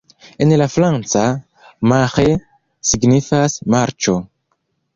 En la franca, "Marais" signifas "marĉo".